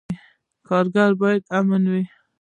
کارګر باید امین وي